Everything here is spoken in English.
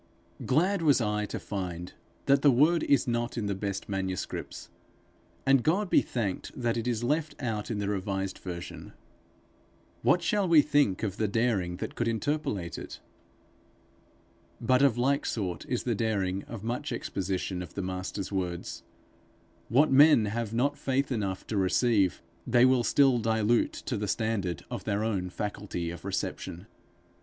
Glad was I to find that the word is not in the best manuscripts; and God be thanked that it is left out in the revised version. What shall we think of the daring that could interpolate it! But of like sort is the daring of much exposition of the Master's words. What men have not faith enough to receive, they will still dilute to the standard of their own faculty of reception.